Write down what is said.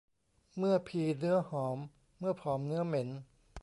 เมื่อพีเนื้อหอม เมื่อผอมเนื้อเหม็น